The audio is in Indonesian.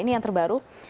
ini yang terbaru